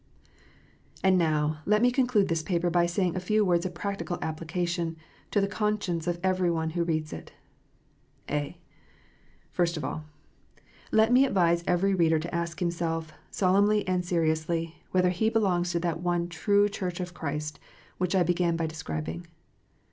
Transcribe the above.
And now, let me conclude this paper by saying a few words of practical application to the conscience of every one who reads it. (a) First of all, let me advise every reader to ask himself, solemnly and seriously, whether he belongs to that one true Church of Christ which I began by describing.